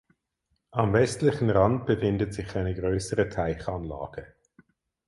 Am westlichen Rand befindet sich eine größere Teichanlage.